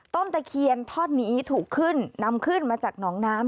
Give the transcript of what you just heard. ตะเคียนทอดนี้ถูกขึ้นนำขึ้นมาจากหนองน้ำ